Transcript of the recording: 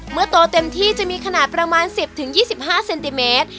โตเต็มที่จะมีขนาดประมาณ๑๐๒๕เซนติเมตร